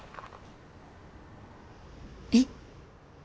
えっ。